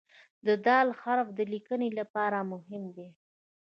د "د" حرف د لیکنې لپاره مهم دی.